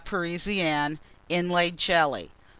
Parisienne. Inlaid Jelly.